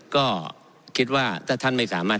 ก็คิดว่าถ้าท่านไม่สามารถ